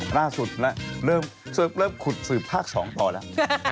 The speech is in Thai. หน้าสุดแล้วเริ่มเริ่มขุดสืบภาค๒ต่อแล้ว